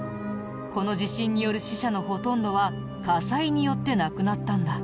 この地震による死者のほとんどは火災によって亡くなったんだ。